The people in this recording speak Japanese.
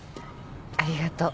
ありがとう。